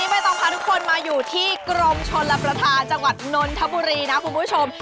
ไม่ต้องพาทุกคนมาอยู่ที่กรมชลประธานจังหวัดนนทบุรีนะคุณผู้ชม